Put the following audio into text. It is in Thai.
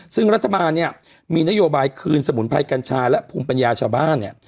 ซึ่งรัฐบาลเนี่ยมีนโยบายคืนสมุนไพรกัญชาและภูมิปัญญาชาวบ้านเนี่ย